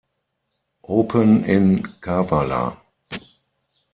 Open in Kavala.